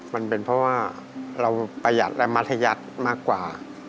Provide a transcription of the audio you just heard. มันเป็นเพราะว่าเราประหยัดและมัธยัติมากกว่า